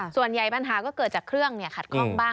ส่วนใหญ่ปัญหาก็เกิดจากเครื่องขัดคล่องบ้าง